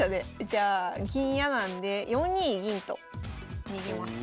じゃあ銀嫌なんで４二銀と逃げます。